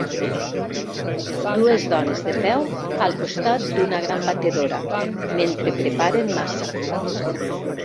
Dues dones de peu al costat d'una gran batedora mentre preparen massa.